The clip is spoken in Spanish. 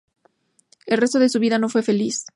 El resto de su vida no fue feliz.